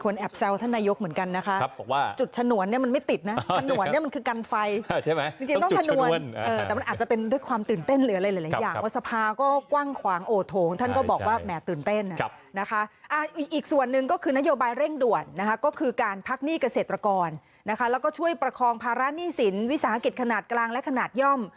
เกษตรกรนะคะแล้วก็ช่วยประคองภาระหนี้สินวิสาหกิจขนาดกลางและขนาดย่อม